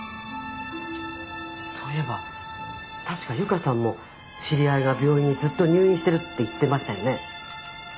そういえば確か由香さんも知り合いが病院にずっと入院してるって言ってましたよね